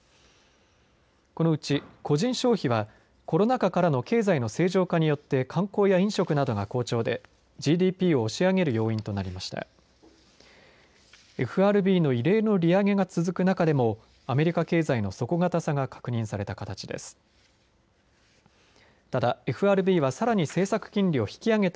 このうち個人消費はコロナ禍からの経済の正常化によって観光や飲食などが好調でＧＤＰを押し上げる要因となりました。